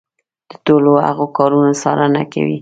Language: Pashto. د ټولو هغو کارونو څارنه کوي.